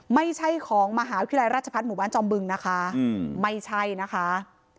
ไม่ใช่ของมหาวิทยาลัยราชพัฒน์หมู่บ้านจอมบึงนะคะไม่ใช่นะคะ